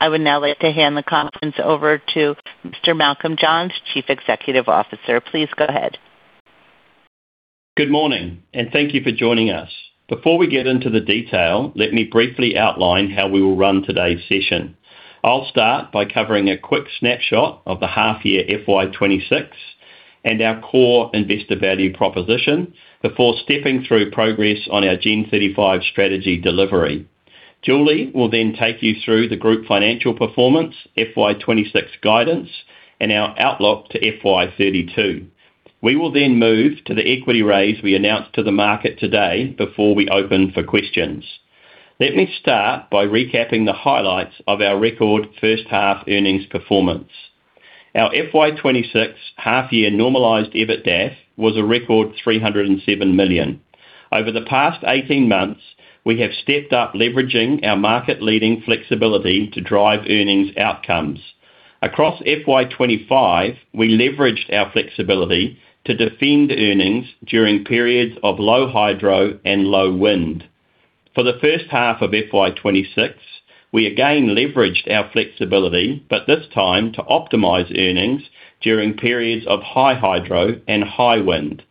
I would now like to hand the conference over to Mr. Malcolm Johns, Chief Executive Officer. Please go ahead. Good morning, thank you for joining us. Before we get into the detail, let me briefly outline how we will run today's session. I'll start by covering a quick snapshot of the half year FY 2026 and our core investor value proposition before stepping through progress on our Gen35 strategy delivery. Julie will take you through the group financial performance, FY 2026 guidance, and our outlook to FY 2032. We will move to the equity raise we announced to the market today before we open for questions. Let me start by recapping the highlights of our record first half earnings performance. Our FY 2026 half year normalized EBITDAF was a record 307 million. Over the past 18 months, we have stepped up leveraging our market-leading flexibility to drive earnings outcomes. Across FY 2025, we leveraged our flexibility to defend earnings during periods of low hydro and low wind. For the first half of FY 2026, we again leveraged our flexibility, this time to optimize earnings during periods of high hydro and high wind.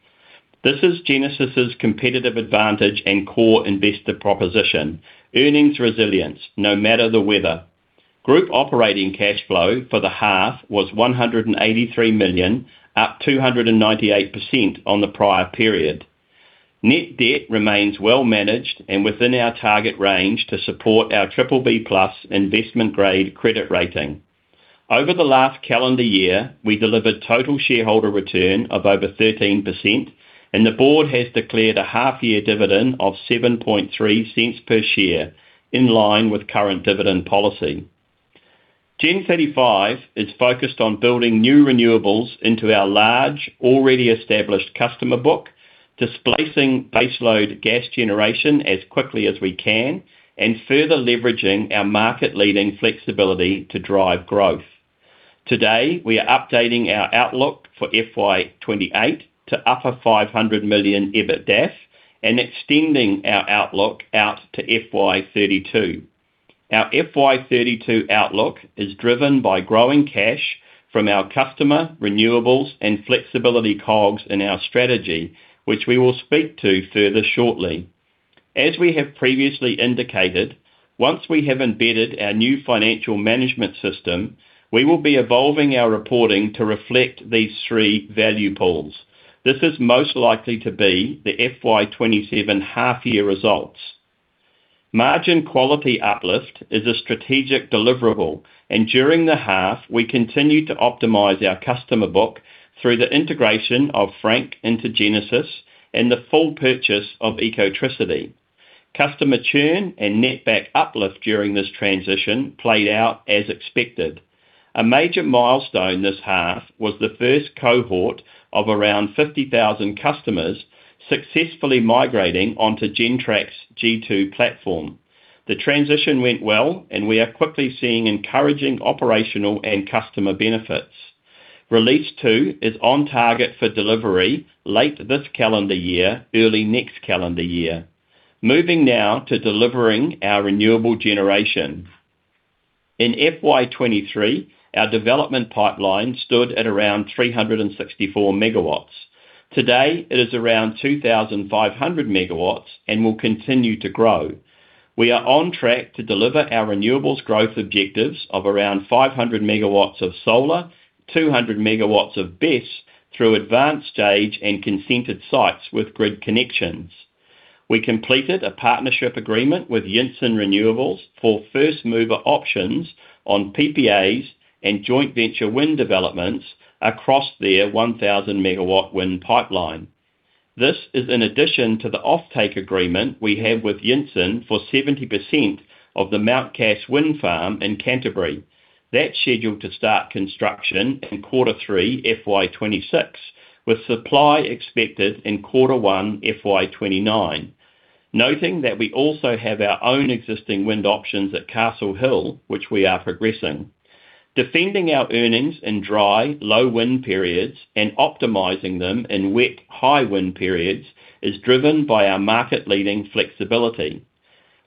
This is Genesis' competitive advantage and core investor proposition: earnings resilience, no matter the weather. Group operating cash flow for the half was 183 million, up 298% on the prior period. Net debt remains well managed and within our target range to support our BBB+ investment-grade credit rating. Over the last calendar year, we delivered total shareholder return of over 13%, the board has declared a half year dividend of 0.073 per share, in line with current dividend policy. Gen35 is focused on building new renewables into our large, already established customer book, displacing baseload gas generation as quickly as we can, and further leveraging our market-leading flexibility to drive growth. Today, we are updating our outlook for FY 2028 to upper 500 million EBITDAF and extending our outlook out to FY 2032. Our FY 2032 outlook is driven by growing cash from our customer, renewables, and flexibility cogs in our strategy, which we will speak to further shortly. As we have previously indicated, once we have embedded our new financial management system, we will be evolving our reporting to reflect these three value pools. This is most likely to be the FY 2027 half year results. Margin quality uplift is a strategic deliverable, and during the half, we continued to optimize our customer book through the integration of Frank into Genesis and the full purchase of Ecotricity. Customer churn and net back uplift during this transition played out as expected. A major milestone this half was the first cohort of around 50,000 customers successfully migrating onto Gentrack's g2 platform. The transition went well, and we are quickly seeing encouraging operational and customer benefits. Release two is on target for delivery late this calendar year, early next calendar year. Moving now to delivering our renewable generation. In FY 2023, our development pipeline stood at around 364 megawatts. Today, it is around 2,500 megawatts and will continue to grow. We are on track to deliver our renewables growth objectives of around 500 MW of solar, 200 MW of BESS through advanced stage and consented sites with grid connections. We completed a partnership agreement with Yinson Renewables for first-mover options on PPAs and joint venture wind developments across their 1,000 MW wind pipeline. This is in addition to the offtake agreement we have with Yinson for 70% of the Mount Cass Wind Farm in Canterbury. That's scheduled to start construction in Q3 FY 2026, with supply expected in Q1 FY 2029. Noting that we also have our own existing wind options at Castle Hill, which we are progressing. Defending our earnings in dry, low wind periods and optimizing them in wet, high wind periods is driven by our market-leading flexibility.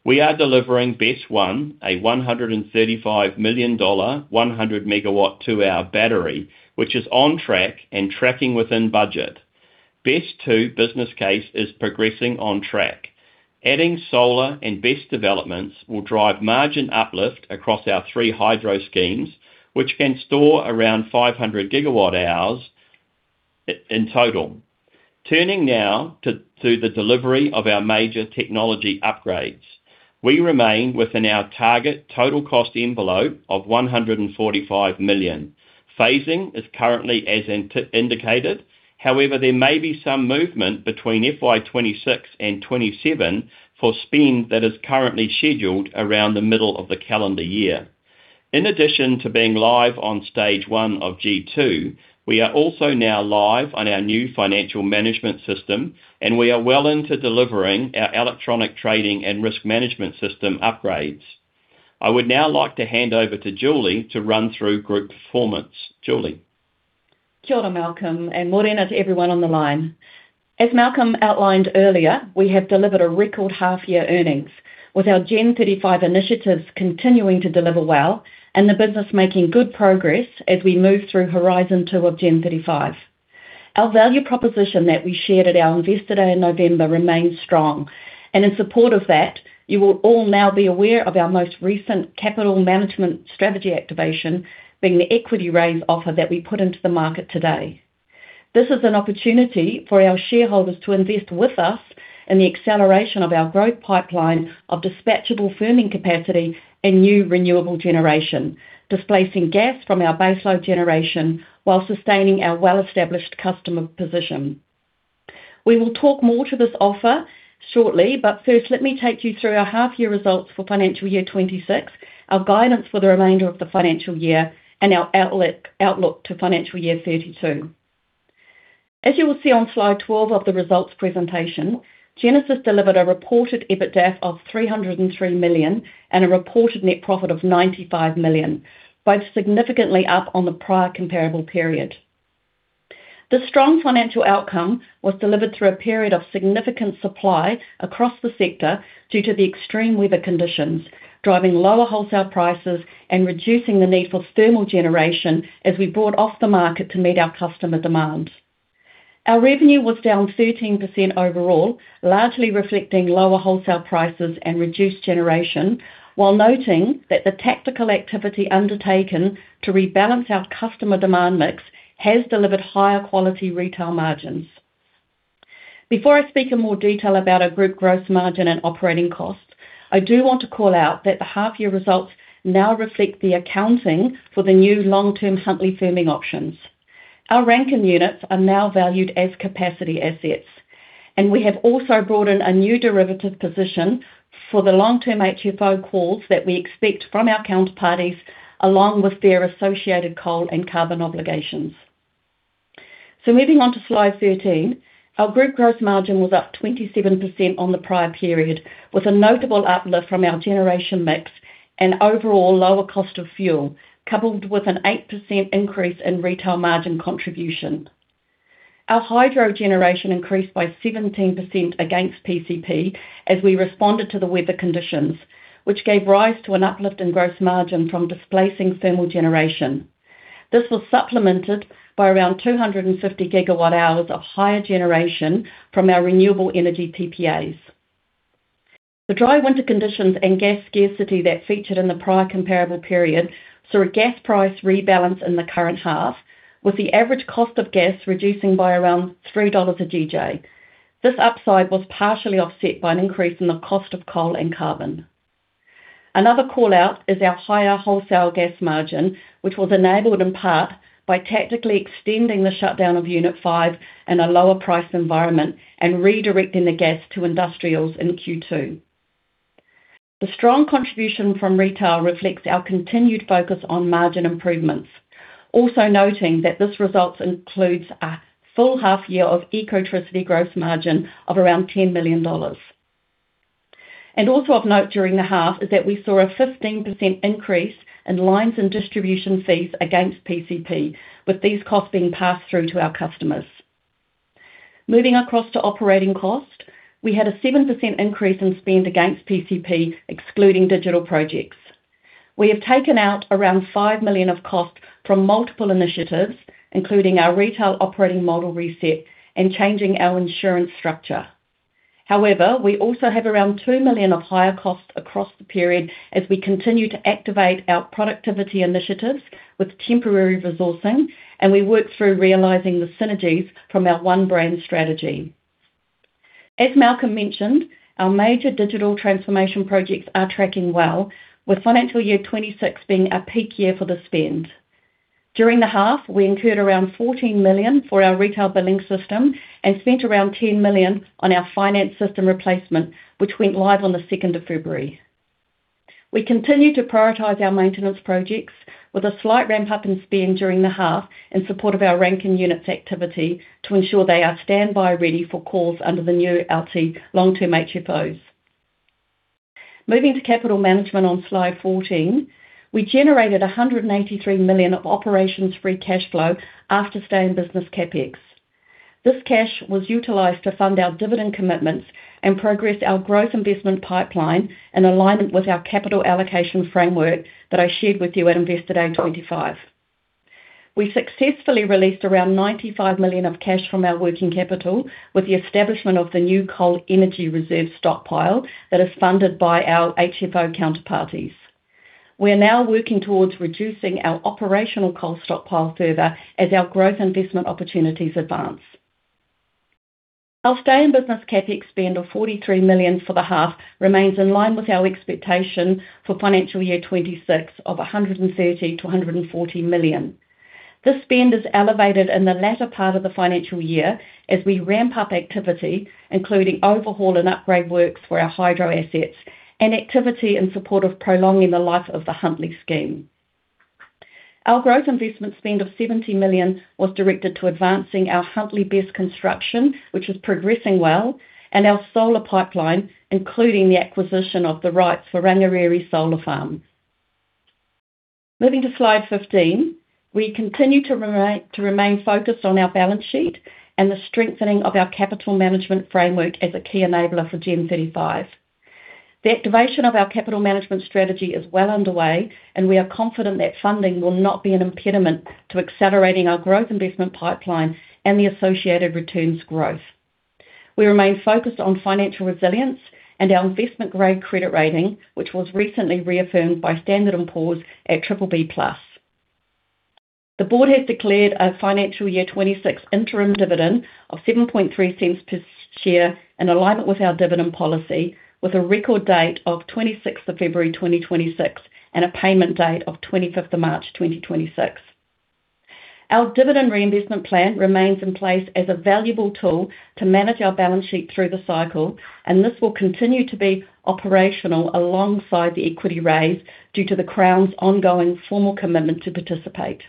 We are delivering BESS 1, a 135 million dollar, 100 MW 2-hour battery, which is on track and tracking within budget. BESS 2 business case is progressing on track. Adding solar and BESS developments will drive margin uplift across our three hydro schemes, which can store around 500 GWh in total. Turning now to the delivery of our major technology upgrades. We remain within our target total cost envelope of 145 million. Phasing is currently as indicated, however, there may be some movement between FY 2026 and 2027 for spend that is currently scheduled around the middle of the calendar year. In addition to being live on stage one of g2, we are also now live on our new financial management system, and we are well into delivering our electronic trading and risk management system upgrades. I would now like to hand over to Julie to run through group performance. Julie? Kia ora, Malcolm, and morena to everyone on the line. As Malcolm outlined earlier, we have delivered a record half-year earnings, with our Gen35 initiatives continuing to deliver well and the business making good progress as we move through Horizon 2 of Gen35. Our value proposition that we shared at our Investor Day in November remains strong, and in support of that, you will all now be aware of our most recent capital management strategy activation, being the equity raise offer that we put into the market today. This is an opportunity for our shareholders to invest with us in the acceleration of our growth pipeline of dispatchable firming capacity and new renewable generation, displacing gas from our baseload generation while sustaining our well-established customer position. We will talk more to this offer shortly. First, let me take you through our half-year results for financial year 2026, our guidance for the remainder of the financial year, and our outlook to financial year 2032. As you will see on slide 12 of the results presentation, Genesis delivered a reported EBITDA of 303 million, and a reported net profit of 95 million, both significantly up on the prior comparable period. The strong financial outcome was delivered through a period of significant supply across the sector due to the extreme weather conditions, driving lower wholesale prices and reducing the need for thermal generation as we brought off the market to meet our customer demands. Our revenue was down 13% overall, largely reflecting lower wholesale prices and reduced generation, while noting that the tactical activity undertaken to rebalance our customer demand mix has delivered higher quality retail margins. Before I speak in more detail about our group gross margin and operating costs, I do want to call out that the half-year results now reflect the accounting for the new long-term Huntly firming options. Our Rankine units are now valued as capacity assets, and we have also brought in a new derivative position for the long-term HFO calls that we expect from our counterparties, along with their associated coal and carbon obligations. Moving on to slide 13. Our group gross margin was up 27% on the prior period, with a notable uplift from our generation mix and overall lower cost of fuel, coupled with an 8% increase in retail margin contribution. Our hydro generation increased by 17% against PCP as we responded to the weather conditions, which gave rise to an uplift in gross margin from displacing thermal generation. This was supplemented by around 250 GWh of higher generation from our renewable energy PPAs. The dry winter conditions and gas scarcity that featured in the prior comparable period saw a gas price rebalance in the current half, with the average cost of gas reducing by around 3 dollars a GJ. This upside was partially offset by an increase in the cost of coal and carbon. Another call-out is our higher wholesale gas margin, which was enabled in part by tactically extending the shutdown of Unit 5 in a lower price environment and redirecting the gas to industrials in Q2. The strong contribution from retail reflects our continued focus on margin improvements. Noting that this results includes a full half year of Ecotricity gross margin of around 10 million dollars. Also of note during the half is that we saw a 15% increase in lines and distribution fees against PCP, with these costs being passed through to our customers. Moving across to operating cost, we had a 7% increase in spend against PCP, excluding digital projects. We have taken out around 5 million of costs from multiple initiatives, including our retail operating model reset and changing our insurance structure. However, we also have around 2 million of higher costs across the period as we continue to activate our productivity initiatives with temporary resourcing, and we work through realizing the synergies from our One Brand strategy. As Malcolm mentioned, our major digital transformation projects are tracking well, with financial year 26 being our peak year for the spend. During the half, we incurred around 14 million for our retail billing system and spent around 10 million on our finance system replacement, which went live on the 2nd of February. We continue to prioritize our maintenance projects with a slight ramp-up in spend during the half in support of our Rankine units activity, to ensure they are standby ready for calls under the new LT-- long-term HFOs. Moving to capital management on slide 14, we generated 183 million of operations free cash flow after stay in business CapEx. This cash was utilized to fund our dividend commitments and progress our growth investment pipeline in alignment with our capital allocation framework that I shared with you at Investor Day 2025. We successfully released around 95 million of cash from our working capital with the establishment of the new coal energy reserve stockpile that is funded by our HFO counterparties. We are now working towards reducing our operational coal stockpile further as our growth investment opportunities advance. Our stay in business CapEx spend of 43 million for the half remains in line with our expectation for financial year 2026 of 130 million-140 million. This spend is elevated in the latter part of the financial year as we ramp up activity, including overhaul and upgrade works for our hydro assets and activity in support of prolonging the life of the Huntly scheme. Our growth investment spend of 70 million was directed to advancing our Huntly BESS construction, which is progressing well, and our solar pipeline, including the acquisition of the rights for Rangiriri Solar Farm. Moving to slide 15, we continue to remain focused on our balance sheet and the strengthening of our capital management framework as a key enabler for Gen35. The activation of our capital management strategy is well underway, and we are confident that funding will not be an impediment to accelerating our growth investment pipeline and the associated returns growth. We remain focused on financial resilience and our investment-grade credit rating, which was recently reaffirmed by Standard & Poor's at BBB+. The board has declared a financial year 26 interim dividend of 0.073 per share, in alignment with our dividend policy, with a record date of February 26, 2026, and a payment date of March 25, 2026. Our dividend reinvestment plan remains in place as a valuable tool to manage our balance sheet through the cycle. This will continue to be operational alongside the equity raise due to the Crown's ongoing formal commitment to participate.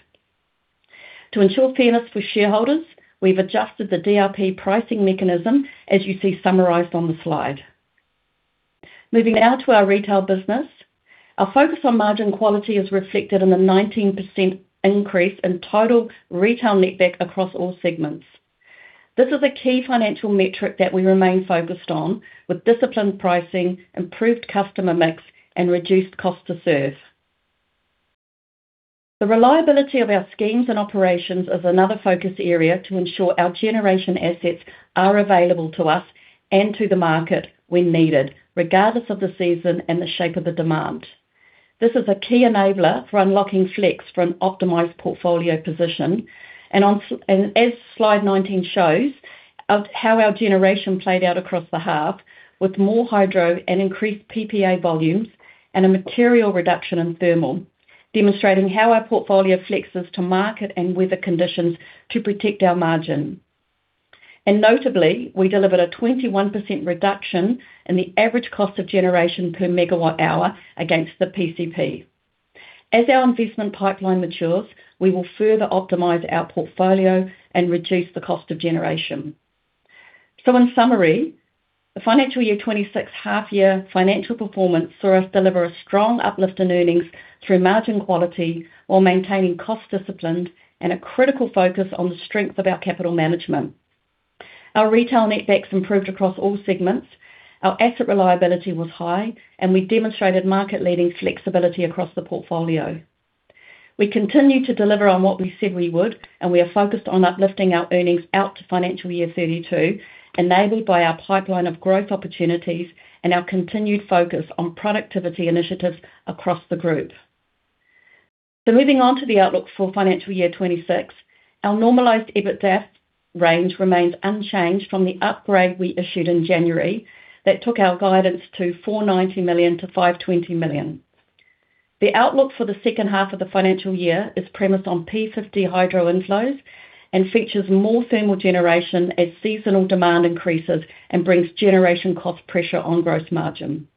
To ensure fairness for shareholders, we've adjusted the DRP pricing mechanism, as you see summarized on the slide. Moving now to our retail business. Our focus on margin quality is reflected in the 19% increase in total retail netback across all segments. This is a key financial metric that we remain focused on, with disciplined pricing, improved customer mix, and reduced cost to serve. The reliability of our schemes and operations is another focus area to ensure our generation assets are available to us and to the market when needed, regardless of the season and the shape of the demand. This is a key enabler for unlocking flex from optimized portfolio position, as slide 19 shows, of how our generation played out across the half, with more hydro and increased PPA volumes and a material reduction in thermal, demonstrating how our portfolio flexes to market and weather conditions to protect our margin. Notably, we delivered a 21% reduction in the average cost of generation per megawatt hour against the PCP. As our investment pipeline matures, we will further optimize our portfolio and reduce the cost of generation. In summary, the financial year 26 half year financial performance saw us deliver a strong uplift in earnings through margin quality, while maintaining cost discipline and a critical focus on the strength of our capital management. Our retail netbacks improved across all segments, our asset reliability was high, and we demonstrated market-leading flexibility across the portfolio. We continued to deliver on what we said we would. We are focused on uplifting our earnings out to financial year 2032, enabled by our pipeline of growth opportunities and our continued focus on productivity initiatives across the group. Moving on to the outlook for financial year 2026, our normalized EBITDA range remains unchanged from the upgrade we issued in January. That took our guidance to 490 million-520 million. The outlook for the second half of the financial year is premised on P50 hydro inflows and features more thermal generation as seasonal demand increases and brings generation cost pressure on gross margin.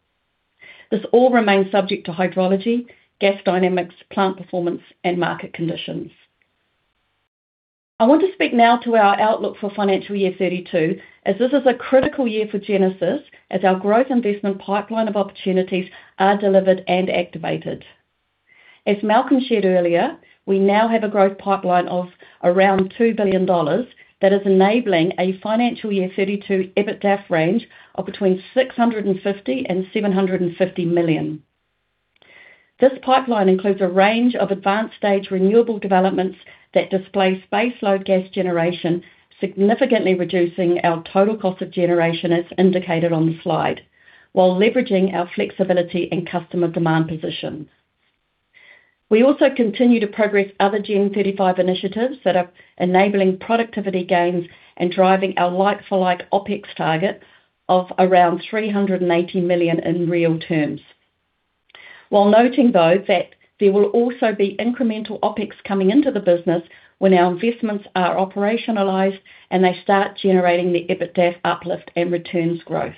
This all remains subject to hydrology, gas dynamics, plant performance, and market conditions. I want to speak now to our outlook for financial year 2032, as this is a critical year for Genesis, as our growth investment pipeline of opportunities are delivered and activated. As Malcolm shared earlier, we now have a growth pipeline of around 2 billion dollars that is enabling a financial year 2032 EBITDAF range of between 650 million and 750 million. This pipeline includes a range of advanced stage renewable developments that displace base load gas generation, significantly reducing our total cost of generation, as indicated on the slide, while leveraging our flexibility and customer demand position. We also continue to progress other Gen35 initiatives that are enabling productivity gains and driving our like-for-like OpEx targets of around 380 million in real terms. While noting, though, that there will also be incremental OpEx coming into the business when our investments are operationalized, and they start generating the EBITDAF uplift and returns growth.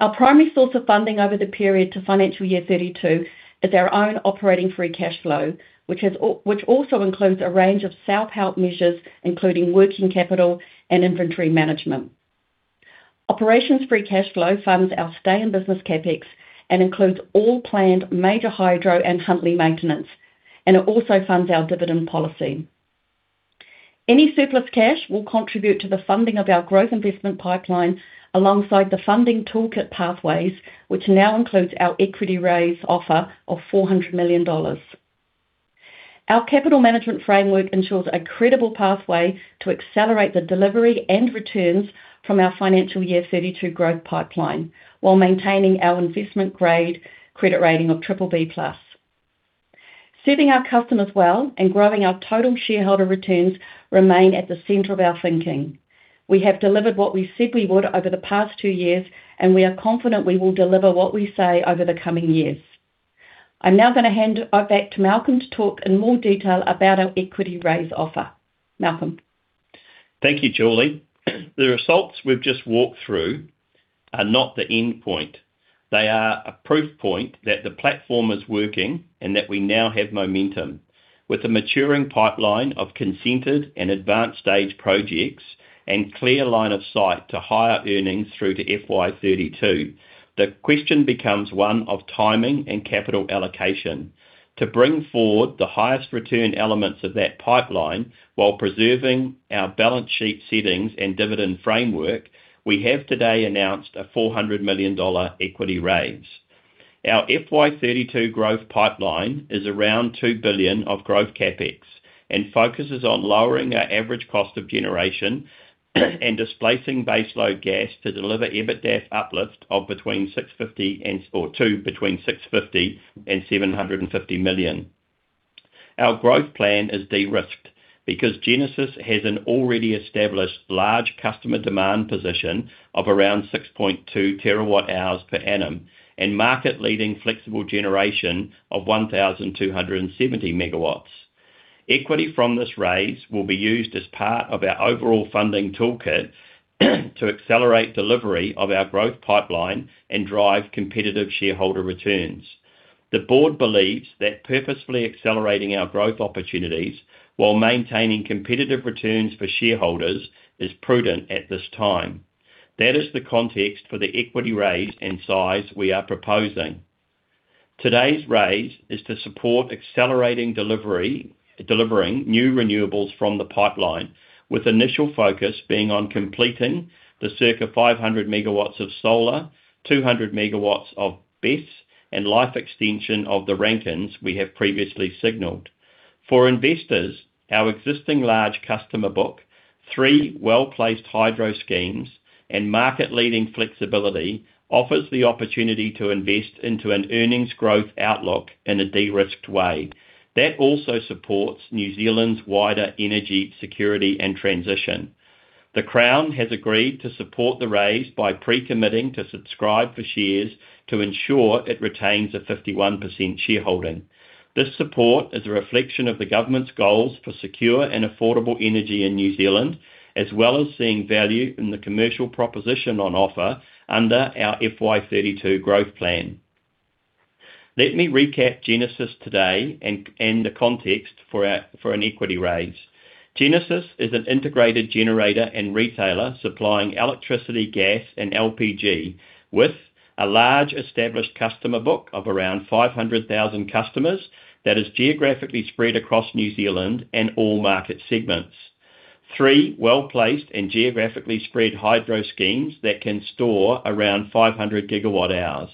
Our primary source of funding over the period to financial year 2032 is our own operating free cash flow, which also includes a range of self-help measures, including working capital and inventory management. Operations free cash flow funds our stay in business CapEx and includes all planned major hydro and Huntly maintenance, and it also funds our dividend policy. Any surplus cash will contribute to the funding of our growth investment pipeline, alongside the funding toolkit pathways, which now includes our equity raise offer of 400 million dollars. Our capital management framework ensures a credible pathway to accelerate the delivery and returns from our FY 2032 growth pipeline, while maintaining our investment-grade credit rating of BBB+. Serving our customers well and growing our total shareholder returns remain at the center of our thinking. We have delivered what we said we would over the past 2 years, and we are confident we will deliver what we say over the coming years. I'm now going to hand it back to Malcolm to talk in more detail about our equity raise offer. Malcolm? Thank you, Julie. The results we've just walked through are not the endpoint. They are a proof point that the platform is working and that we now have momentum. With a maturing pipeline of consented and advanced stage projects-. Clear line of sight to higher earnings through to FY 2032. The question becomes one of timing and capital allocation. To bring forward the highest return elements of that pipeline, while preserving our balance sheet settings and dividend framework, we have today announced a 400 million dollar equity raise. Our FY 2032 growth pipeline is around 2 billion of growth CapEx, and focuses on lowering our average cost of generation and displacing baseload gas to deliver EBITDA uplift of between 650 million and 750 million. Our growth plan is de-risked because Genesis has an already established large customer demand position of around 6.2 terawatt-hours per annum, and market-leading flexible generation of 1,270 megawatts. Equity from this raise will be used as part of our overall funding toolkit, to accelerate delivery of our growth pipeline and drive competitive shareholder returns. The board believes that purposefully accelerating our growth opportunities while maintaining competitive returns for shareholders is prudent at this time. That is the context for the equity raise and size we are proposing. Today's raise is to support accelerating delivery, delivering new renewables from the pipeline, with initial focus being on completing the circa 500 megawatts of solar, 200 megawatts of BESS, and life extension of the Rankines we have previously signaled. For investors, our existing large customer book, three well-placed hydro schemes, and market-leading flexibility, offers the opportunity to invest into an earnings growth outlook in a de-risked way. That also supports New Zealand's wider energy security and transition. The Crown has agreed to support the raise by pre-committing to subscribe for shares to ensure it retains a 51% shareholding. This support is a reflection of the government's goals for secure and affordable energy in New Zealand, as well as seeing value in the commercial proposition on offer under our FY 2032 growth plan. Let me recap Genesis today and the context for an equity raise. Genesis is an integrated generator and retailer supplying electricity, gas, and LPG, with a large established customer book of around 500,000 customers that is geographically spread across New Zealand and all market segments. Three well-placed and Geographically spread hydro schemes that can store around 500 GWh.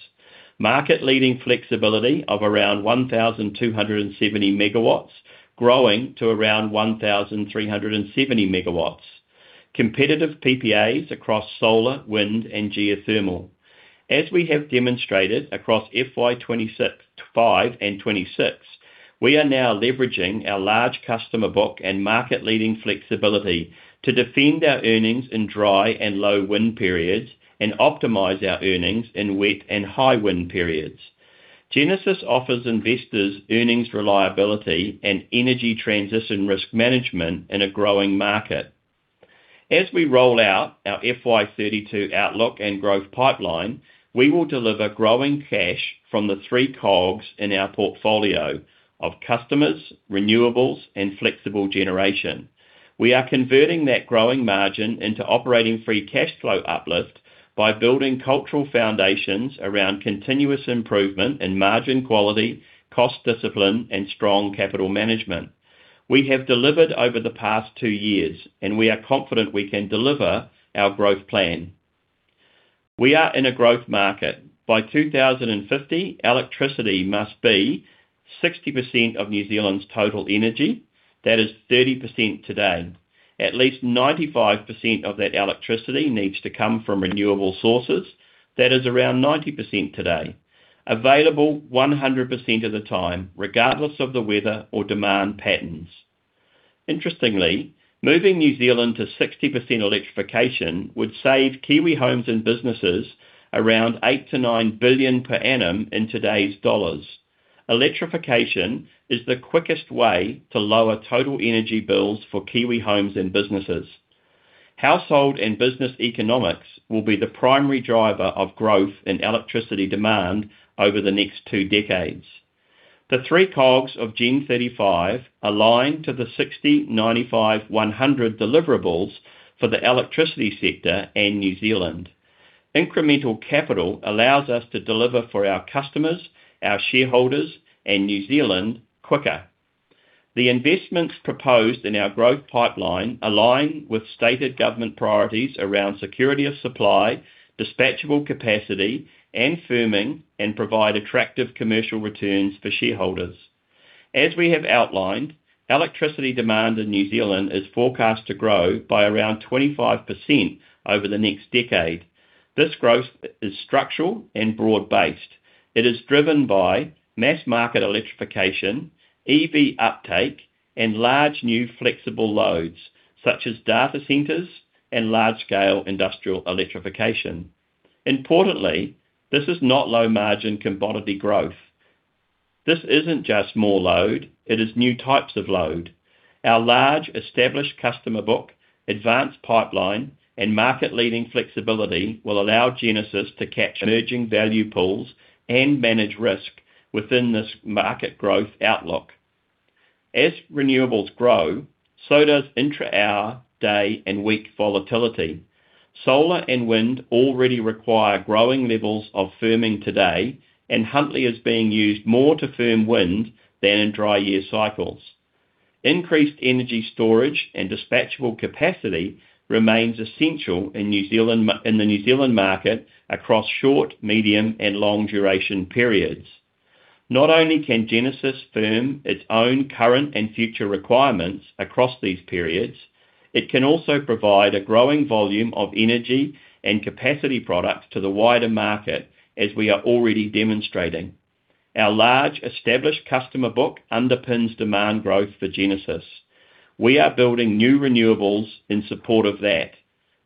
Market-leading flexibility of around 1,270 MW, growing to around 1,370 MW. Competitive PPAs across solar, wind, and geothermal. As we have demonstrated across FY25 and FY 2026, we are now leveraging our large customer book and market-leading flexibility to defend our earnings in dry and low wind periods, and optimize our earnings in wet and high wind periods. Genesis offers investors earnings reliability and energy transition risk management in a growing market. As we roll out our FY 2032 outlook and growth pipeline, we will deliver growing cash from the three cogs in our portfolio of customers, renewables, and flexible generation. We are converting that growing margin into operating free cash flow uplift by building cultural foundations around continuous improvement in margin quality, cost discipline, and strong capital management. We have delivered over the past two years, and we are confident we can deliver our growth plan. We are in a growth market. By 2050, electricity must be 60% of New Zealand's total energy. That is 30% today. At least 95% of that electricity needs to come from renewable sources. That is around 90% today. Available 100% of the time, regardless of the weather or demand patterns. Interestingly, moving New Zealand to 60% electrification would save Kiwi homes and businesses around 8 billion-9 billion per annum in today's dollars. Electrification is the quickest way to lower total energy bills for Kiwi homes and businesses. Household and business economics will be the primary driver of growth in electricity demand over the next two decades. The three cogs of Gen35 align to the 60/95/100 deliverables for the electricity sector and New Zealand. Incremental capital allows us to deliver for our customers, our shareholders, and New Zealand quicker. The investments proposed in our growth pipeline align with stated government priorities around security of supply, dispatchable capacity, and firming, and provide attractive commercial returns for shareholders. As we have outlined, electricity demand in New Zealand is forecast to grow by around 25% over the next decade. This growth is structural and broad-based. It is driven by mass market electrification, EV uptake, and large, new flexible loads, such as data centers and large-scale industrial electrification. Importantly, this is not low-margin commodity growth. This isn't just more load, it is new types of load. Our large established customer book, advanced pipeline, and market-leading flexibility will allow Genesis to catch emerging value pools and manage risk within this market growth outlook. As renewables grow, so does intra hour, day, and week volatility. Solar and wind already require growing levels of firming today, and Huntly is being used more to firm wind than in dry year cycles. Increased energy storage and dispatchable capacity remains essential in the New Zealand market across short, medium, and long duration periods. Not only can Genesis firm its own current and future requirements across these periods, it can also provide a growing volume of energy and capacity products to the wider market, as we are already demonstrating. Our large, established customer book underpins demand growth for Genesis. We are building new renewables in support of that,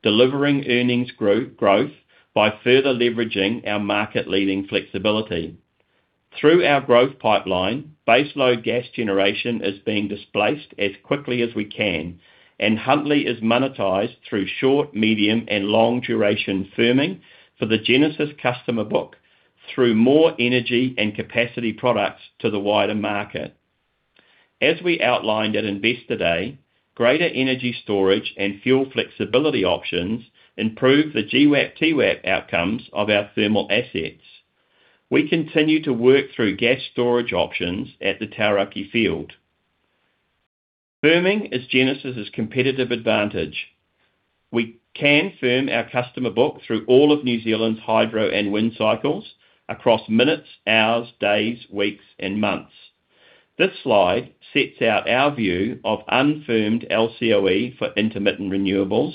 delivering earnings growth by further leveraging our market-leading flexibility. Through our growth pipeline, baseload gas generation is being displaced as quickly as we can, and Huntly is monetized through short, medium, and long duration firming for the Genesis customer book through more energy and capacity products to the wider market. As we outlined at Investor Day, greater energy storage and fuel flexibility options improve the GWAP, TWAP outcomes of our thermal assets. We continue to work through gas storage options at the Taranaki field. Firming is Genesis's competitive advantage. We can firm our customer book through all of New Zealand's hydro and wind cycles across minutes, hours, days, weeks, and months. This slide sets out our view of unfirmed LCOE for intermittent renewables,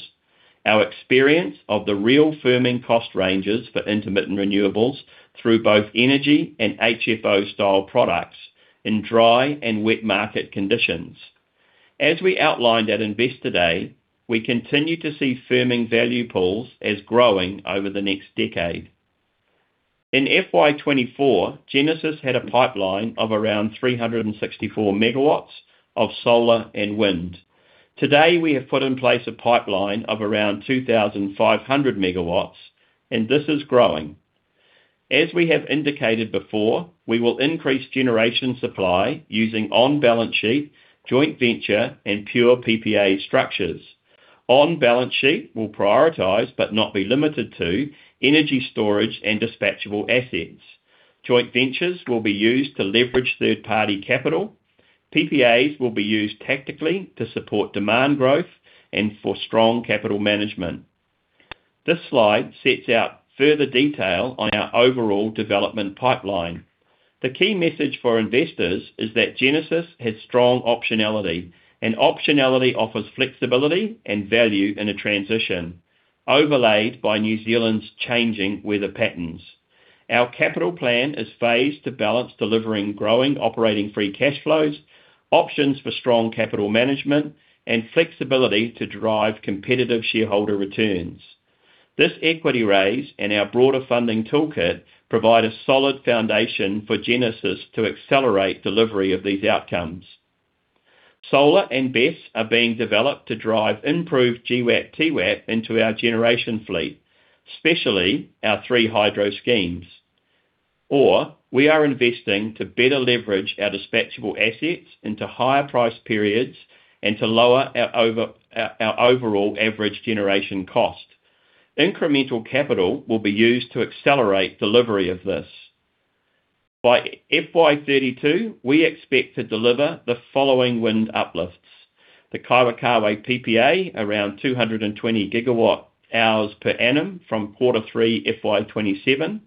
our experience of the real firming cost ranges for intermittent renewables through both energy and HFO style products in dry and wet market conditions. As we outlined at Investor Day, we continue to see firming value pools as growing over the next decade. In FY 2024, Genesis had a pipeline of around 364 megawatts of solar and wind. Today, we have put in place a pipeline of around 2,500 megawatts, and this is growing. As we have indicated before, we will increase generation supply using on-balance sheet, joint venture, and pure PPA structures. On-balance sheet, we'll prioritize, but not be limited to, energy storage and dispatchable assets. Joint ventures will be used to leverage third-party capital. PPAs will be used tactically to support demand growth and for strong capital management. This slide sets out further detail on our overall development pipeline. The key message for investors is that Genesis has strong optionality, and optionality offers flexibility and value in a transition, overlaid by New Zealand's changing weather patterns. Our capital plan is phased to balance delivering growing operating free cash flows, options for strong capital management, and flexibility to derive competitive shareholder returns. This equity raise and our broader funding toolkit provide a solid foundation for Genesis to accelerate delivery of these outcomes. Solar and BESS are being developed to drive improved GWAP, TWAP into our generation fleet, especially our three hydro schemes. We are investing to better leverage our dispatchable assets into higher price periods and to lower our overall average generation cost. Incremental capital will be used to accelerate delivery of this. By FY 2032, we expect to deliver the following wind uplifts: the Kaiwaikawe PPA, around 220 GWh per annum from Q3, FY 2027.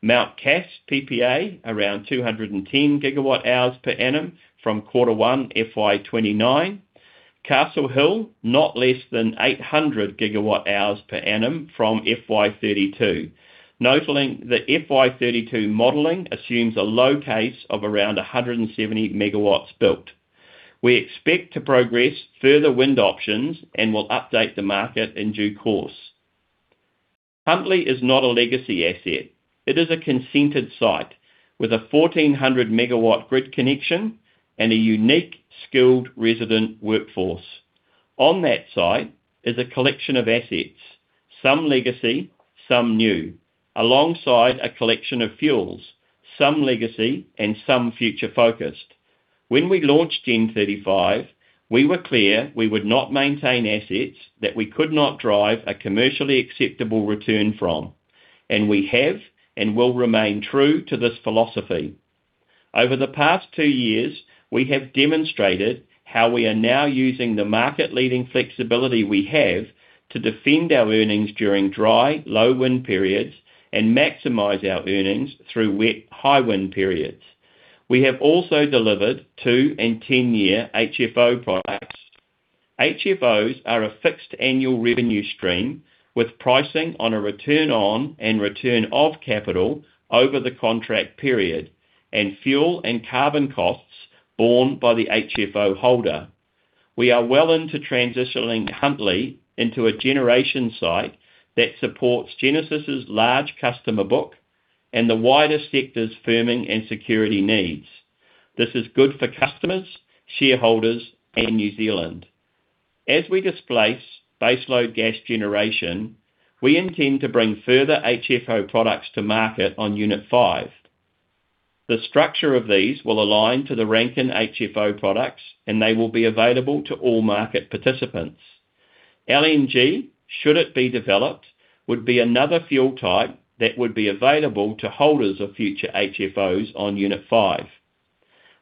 Mount Cass PPA, around 210 GWh per annum from Q1, FY 2029. Castle Hill, not less than 800 GWh per annum from FY 2032. Notably, the FY 2032 modeling assumes a low case of around 170 MW built. We expect to progress further wind options and will update the market in due course. Huntly is not a legacy asset. It is a consented site with a 1,400 MW grid connection and a unique skilled resident workforce. On that site is a collection of assets, some legacy, some new, alongside a collection of fuels, some legacy and some future-focused. When we launched Gen35, we were clear we would not maintain assets that we could not drive a commercially acceptable return from, and we have and will remain true to this philosophy. Over the past two years, we have demonstrated how we are now using the market-leading flexibility we have to defend our earnings during dry, low-wind periods, and maximize our earnings through wet, high-wind periods. We have also delivered two and 10-year HFO products. HFOs are a fixed annual revenue stream with pricing on a return on and return of capital over the contract period, and fuel and carbon costs borne by the HFO holder. We are well into transitioning Huntly into a generation site that supports Genesis's large customer book and the wider sector's firming and security needs. This is good for customers, shareholders, and New Zealand. As we displace baseload gas generation, we intend to bring further HFO products to market on Unit 5. The structure of these will align to the Rankine HFO products, and they will be available to all market participants. LNG, should it be developed, would be another fuel type that would be available to holders of future HFOs on Unit Five.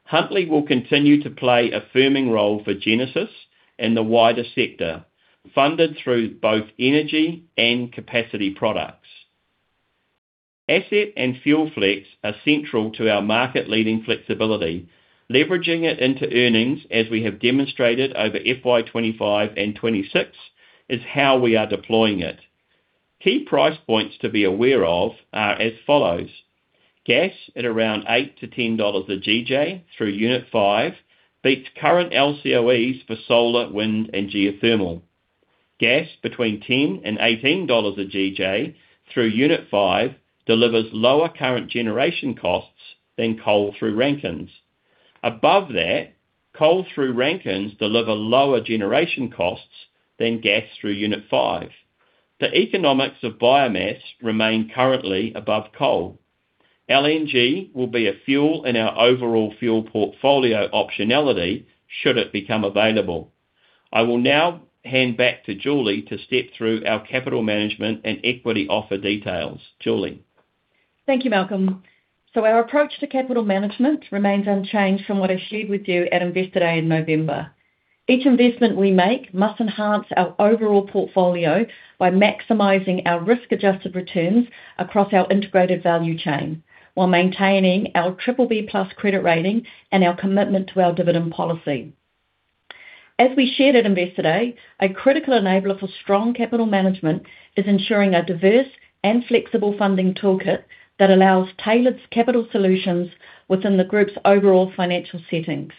Huntly will continue to play a firming role for Genesis Energy and the wider sector, funded through both energy and capacity products. Asset and fuel flex are central to our market-leading flexibility, leveraging it into earnings, as we have demonstrated over FY 2025 and 2026, is how we are deploying it. Key price points to be aware of are as follows: Gas at around 8-10 dollars a GJ through Unit Five beats current LCOEs for Solar, Wind, and Geothermal. Gas between 10 and 18 dollars a GJ through Unit Five delivers lower current generation costs than coal through Rankines. Above that, coal through Rankines deliver lower generation costs than gas through Unit Five. The economics of biomass remain currently above coal. LNG will be a fuel in our overall fuel portfolio optionality should it become available. I will now hand back to Julie to step through our capital management and equity offer details. Julie? Thank you, Malcolm. Our approach to capital management remains unchanged from what I shared with you at Investor Day in November. Each investment we make must enhance our overall portfolio by maximizing our risk-adjusted returns across our integrated value chain, while maintaining our BBB+ credit rating and our commitment to our dividend policy. As we shared at Investor Day, a critical enabler for strong capital management is ensuring a diverse and flexible funding toolkit that allows tailored capital solutions within the group's overall financial settings.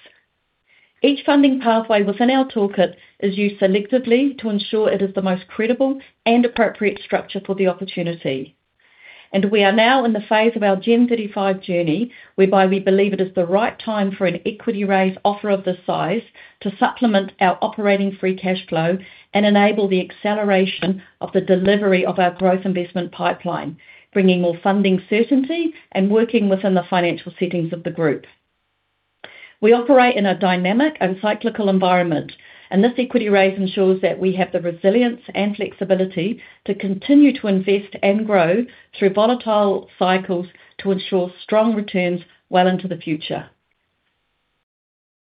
Each funding pathway within our toolkit is used selectively to ensure it is the most credible and appropriate structure for the opportunity. We are now in the phase of our Gen35 journey, whereby we believe it is the right time for an equity raise offer of this size to supplement our operating free cash flow and enable the acceleration of the delivery of our growth investment pipeline, bringing more funding certainty and working within the financial settings of the group. We operate in a dynamic and cyclical environment, and this equity raise ensures that we have the resilience and flexibility to continue to invest and grow through volatile cycles to ensure strong returns well into the future.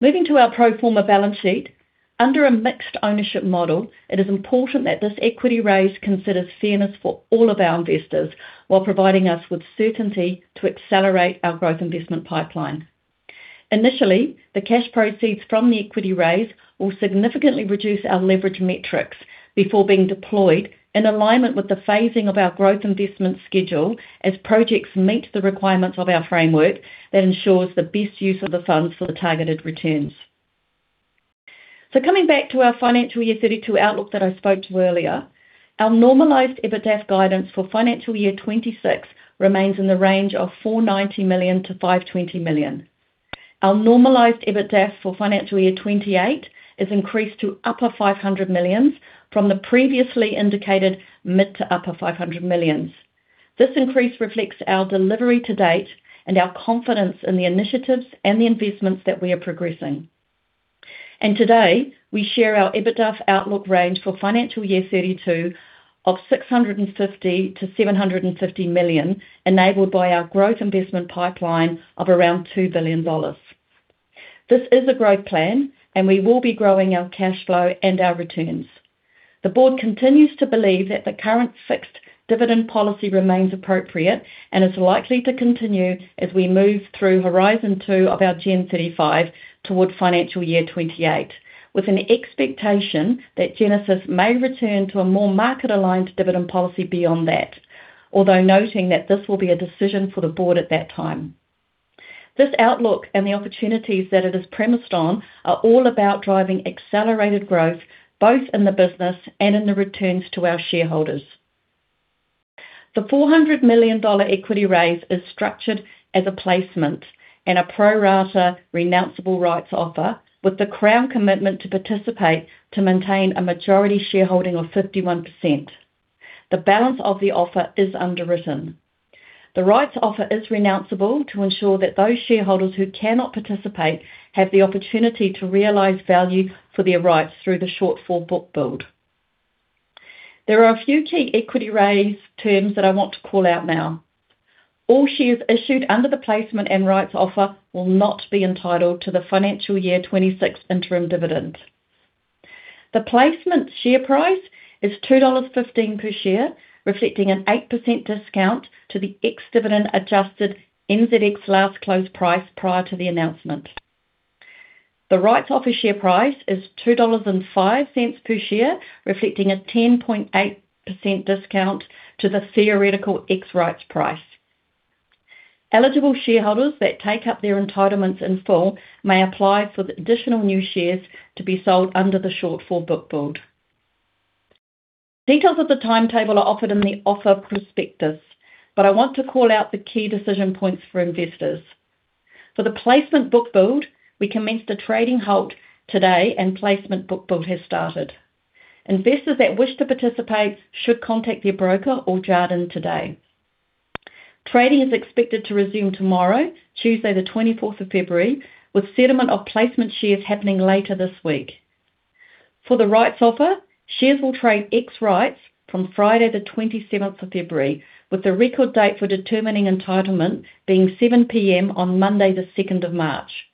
Moving to our pro forma balance sheet. Under a Mixed Ownership Model, it is important that this equity raise considers fairness for all of our investors, while providing us with certainty to accelerate our growth investment pipeline. Initially, the cash proceeds from the equity raise will significantly reduce our leverage metrics before being deployed, in alignment with the phasing of our growth investment schedule, as projects meet the requirements of our framework that ensures the best use of the funds for the targeted returns. Coming back to our financial year 2032 outlook that I spoke to earlier, our normalized EBITDAF guidance for financial year 2026 remains in the range of 490 million-520 million. Our normalized EBITDAF for financial year 2028 is increased to upper 500 million from the previously indicated mid to upper 500 million. This increase reflects our delivery to date and our confidence in the initiatives and the investments that we are progressing. Today, we share our EBITDAF outlook range for financial year 2032 of 650 million-750 million, enabled by our growth investment pipeline of around 2 billion dollars. This is a growth plan, we will be growing our cash flow and our returns. The board continues to believe that the current fixed dividend policy remains appropriate and is likely to continue as we move through Horizon 2 of our Gen35 toward financial year 2028, with an expectation that Genesis may return to a more market-aligned dividend policy beyond that, although noting that this will be a decision for the board at that time. This outlook and the opportunities that it is premised on are all about driving accelerated growth, both in the business and in the returns to our shareholders. The 400 million dollar equity raise is structured as a placement and a pro rata renounceable rights offer, with the Crown commitment to participate to maintain a majority shareholding of 51%. The balance of the offer is underwritten. The rights offer is renounceable to ensure that those shareholders who cannot participate have the opportunity to realize value for their rights through the shortfall book build. There are a few key equity raise terms that I want to call out now. All shares issued under the placement and rights offer will not be entitled to the financial year 26 interim dividend. The placement share price is 2.15 dollars per share, reflecting an 8% discount to the ex-dividend adjusted NZX last closed price prior to the announcement. The rights offer share price is 2.05 dollars per share, reflecting a 10.8% discount to the theoretical ex rights price. Eligible shareholders that take up their entitlements in full may apply for the additional new shares to be sold under the shortfall book build. Details of the timetable are offered in the offer prospectus, I want to call out the key decision points for investors. For the placement book build, we commenced a trading halt today, Placement book build has started. Investors that wish to participate should contact their broker or Jarden today. Trading is expected to resume tomorrow, Tuesday, the 24th of February, with settlement of placement shares happening later this week. For the rights offer, shares will trade ex rights from Friday, the 27th of February, with the record date for determining entitlement being 7:00 PM on Monday, the 2nd of March.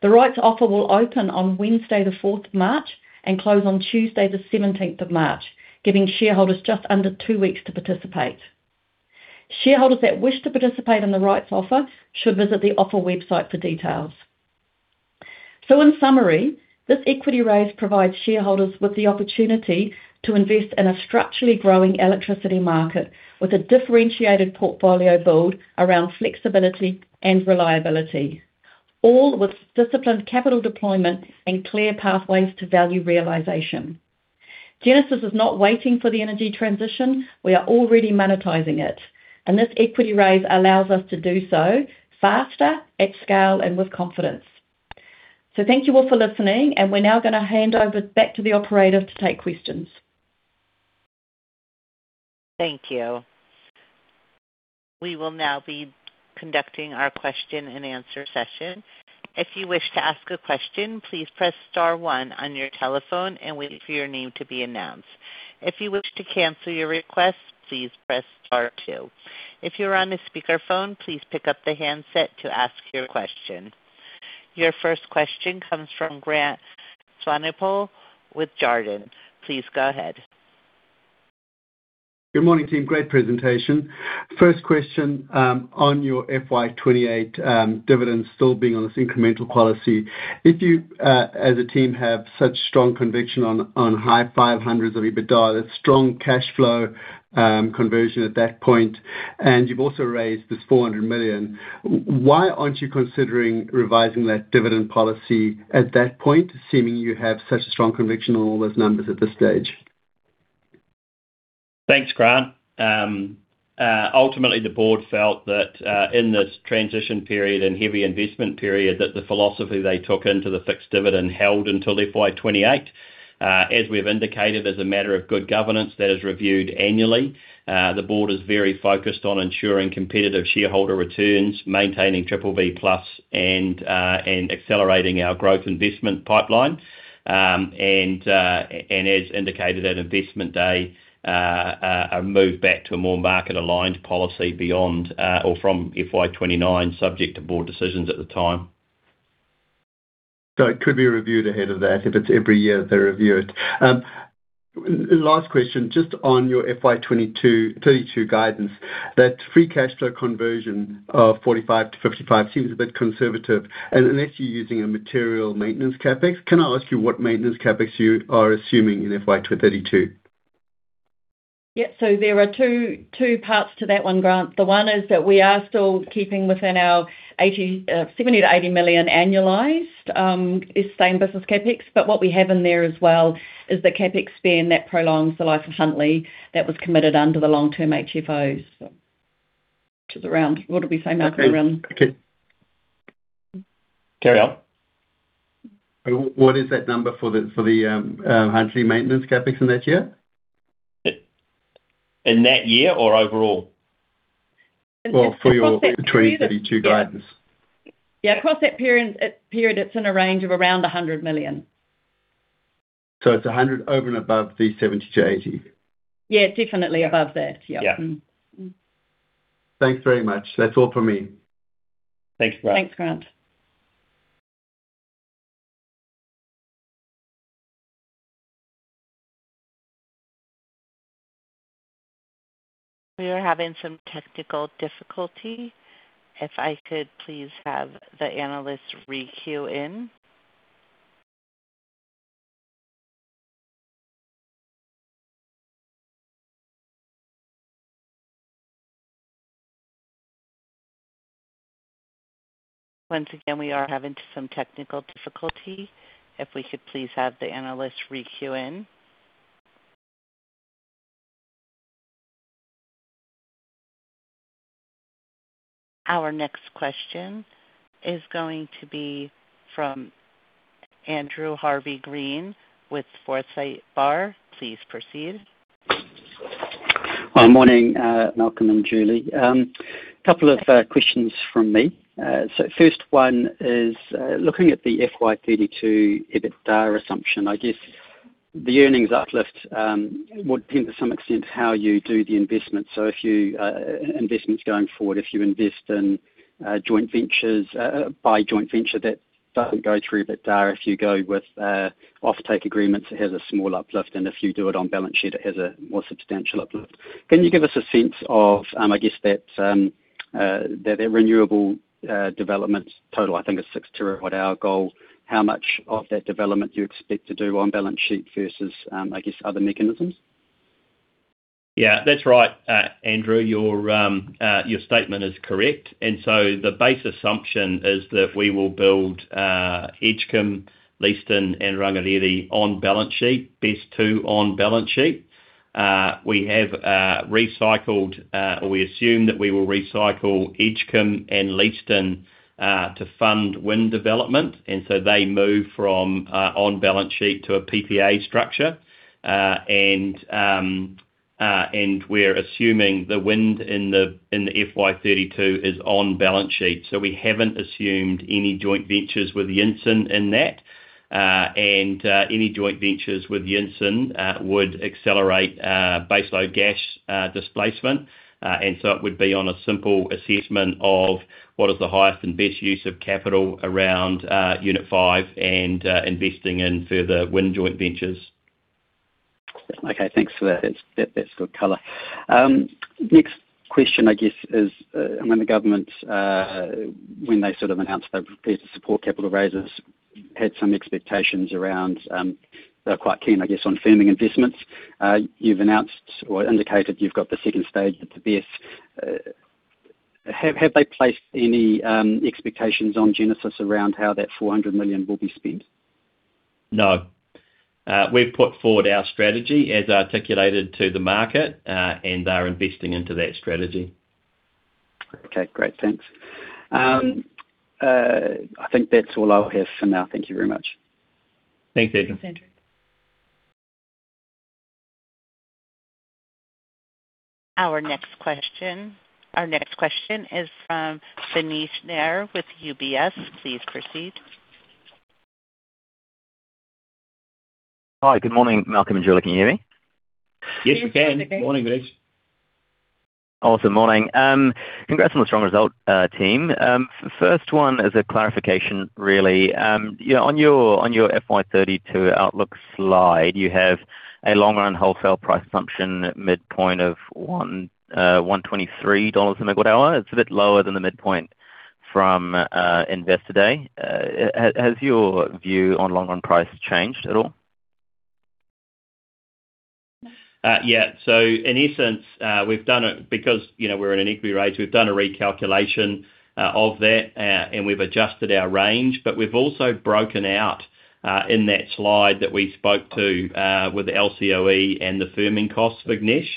The rights offer will open on Wednesday, the 4th of March, and close on Tuesday, the 17th of March, giving shareholders just under two weeks to participate. Shareholders that wish to participate in the rights offer should visit the offer website for details. In summary, this equity raise provides shareholders with the opportunity to invest in a structurally growing electricity market, with a differentiated portfolio build around flexibility and reliability, all with disciplined capital deployment and clear pathways to value realization. Genesis is not waiting for the energy transition. We are already monetizing it, and this equity raise allows us to do so faster, at scale, and with confidence. Thank you all for listening, and we're now going to hand over back to the operator to take questions. Thank you. We will now be conducting our question-and-answer session. If you wish to ask a question, please press star one on your telephone and wait for your name to be announced. If you wish to cancel your request, please press star two. If you're on a speakerphone, please pick up the handset to ask your question. Your first question comes from Grant Swanepoel with Jarden. Please go ahead. Good morning, team. Great presentation. First question, on your FY 2028 dividend still being on this incremental policy. If you, as a team, have such strong conviction on, on high 500s of EBITDA, that's strong cash flow, conversion at that point, and you've also raised this 400 million, why aren't you considering revising that dividend policy at that point, seeming you have such strong conviction on all those numbers at this stage? Thanks, Grant. Ultimately, the board felt that in this transition period and heavy investment period, that the philosophy they took into the fixed dividend held until FY 2028. As we've indicated, as a matter of good governance, that is reviewed annually. The board is very focused on ensuring competitive shareholder returns, maintaining BBB+, and accelerating our growth investment pipeline. And as indicated at Investor Day, a move back to a more market-aligned policy beyond, or from FY 2029, subject to board decisions at the time. It could be reviewed ahead of that, if it's every year that they review it. Last question, just on your FY 2022-2032 guidance, that free cash flow conversion of 45%-55% seems a bit conservative, unless you're using a material maintenance CapEx, can I ask you what maintenance CapEx you are assuming in FY 2032? Yeah. There are two, two parts to that one, Grant. The one is that we are still keeping within our 70 million-80 million annualized same business CapEx. What we have in there as well is the CapEx spend that prolongs the life of Huntly, that was committed under the long-term HFOs, which is around, what did we say, Malcolm? Around- Carry on. What is that number for the, for the, Huntly maintenance CapEx in that year? In that year or overall? Well, for your 2032 guidance. Yeah, across that period, it's in a range of around 100 million. It's 100 over and above the 70-80? Yeah, definitely above that. Yeah. Yeah. Thanks very much. That's all for me. Thanks, Grant. Thanks, Grant. We are having some technical difficulty. If I could please have the analyst re-queue in. Once again, we are having some technical difficulty. If we could please have the analyst re-queue in. Our next question is going to be from Andrew Harvey-Green with Forsyth Barr. Please proceed. Morning, Malcolm and Julie. Couple of questions from me. First one is looking at the FY 2032 EBITDA assumption, I guess the earnings uplift would depend to some extent how you do the investment. If you, investment's going forward, if you invest in joint ventures, by joint venture, that doesn't go through but if you go with offtake agreements, it has a small uplift, and if you do it on balance sheet, it has a more substantial uplift. Can you give us a sense of, I guess that, that the renewable development total, I think, is 6 terawatt hour goal, how much of that development do you expect to do on balance sheet versus, I guess, other mechanisms? Yeah, that's right, Andrew, your statement is correct. The base assumption is that we will build Edgecumbe, Leeston, and Rangiriri on balance sheet, base two on balance sheet. We have recycled, or we assume that we will recycle Edgecumbe and Leeston, to fund wind development, and so they move from on balance sheet to a PPA structure. We're assuming the wind in the FY 2032 is on balance sheet. We haven't assumed any joint ventures with Yinson in that. Any joint ventures with Yinson would accelerate baseload gas displacement. It would be on a simple assessment of what is the highest and best use of capital around Unit 5 and investing in further wind joint ventures. Okay, thanks for that. That's good color. Next question, I guess, is when the government when they sort of announced their support capital raises, had some expectations around they're quite keen, I guess, on firming investments. You've announced or indicated you've got the second stage at the BESS. Have they placed any expectations on Genesis around how that 400 million will be spent? No. We've put forward our strategy as articulated to the market, and are investing into that strategy. Okay, great. Thanks. I think that's all I have for now. Thank you very much. Thanks, Andrew. Thanks, Andrew. Our next question, our next question is from Vignesh Nair with UBS. Please proceed. Hi, good morning, Malcolm and Julie. Can you hear me? Yes, we can. Yes, we can. Morning, Vignesh. Awesome morning. Congrats on the strong result, team. First one is a clarification, really. You know, on your, on your FY 2032 outlook slide, you have a long-run wholesale price assumption midpoint of 123 dollars a megawatt hour. It's a bit lower than the midpoint from Investor Day. Has your view on long-run price changed at all? Yeah. In essence, we've done it because, you know, we're in an equity raise, we've done a recalculation of that, and we've adjusted our range. We've also broken out in that slide that we spoke to with the LCOE and the firming costs, Vignesh.